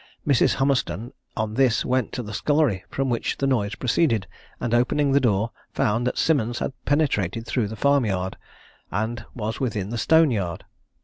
Mrs. Hummerstone on this went to the scullery, from which the noise proceeded, and opening the door, found that Simmons had penetrated through the farm yard, and was within the stone yard.